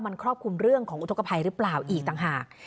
มันครอบคลุมเรื่องของอุทธกภัยหรือเปล่าอีกต่างหาก